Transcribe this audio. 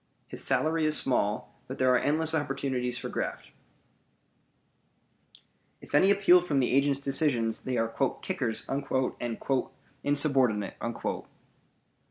His salary is small, but there are endless opportunities for graft. If any appeal from the agent's decisions, they are "kickers" and "insubordinate."